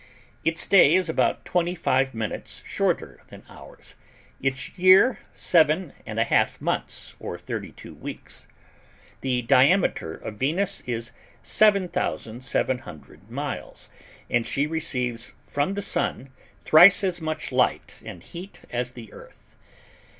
Its day is about twenty five minutes shorter than ours; its year seven and a half months or thirty two weeks. The diameter of Venus is 7,700 miles, and she receives from the Sun thrice as much light and heat as the Earth.